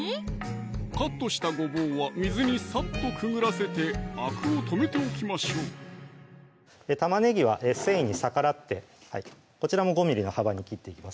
カットしたごぼうは水にさっとくぐらせてあくを止めておきましょう玉ねぎは繊維に逆らってこちらも５ｍｍの幅に切っていきます